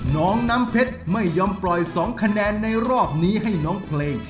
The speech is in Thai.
น้องน้ำเพชรไม่ยอมปล่อย๒คะแนนในรอบนี้ให้น้องเพลง